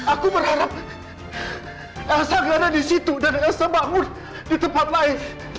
aku berharap elsa berada di situ dan elsa bangun di tempat lain